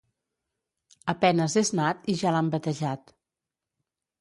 A penes és nat i ja l'han batejat.